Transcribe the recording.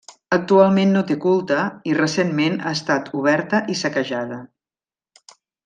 Actualment no té culte, i recentment ha estat oberta i saquejada.